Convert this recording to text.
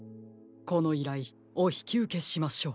このいらいおひきうけしましょう。